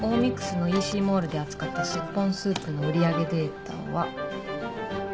ＭｉｘのＥＣモールで扱ったスッポンスープの売り上げデータは。